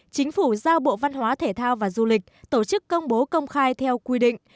chính phủ giao bộ văn hóa thể thao và du lịch tổ chức công bố công khai theo quy định